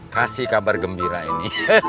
kasih kabar gembira ini